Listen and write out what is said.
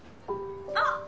あっ！